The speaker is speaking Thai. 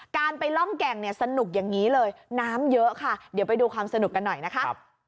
การไปร่องแก่งเนี่ยสนุกอย่างนี้เลยน้ำเยอะค่ะเดี๋ยวไปดูความสนุกกันหน่อยนะคะ